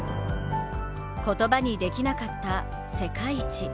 言葉にできなかった世界一。